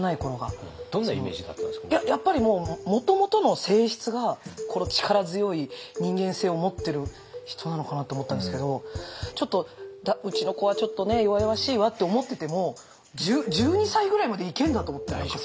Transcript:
やっぱりもともとの性質がこの力強い人間性を持ってる人なのかなと思ったんですけどうちの子はちょっとね弱々しいわって思ってても１２歳ぐらいまでいけるんだと思って。